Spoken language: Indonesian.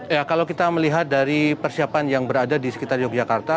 ya kalau kita melihat dari persiapan yang berada di sekitar yogyakarta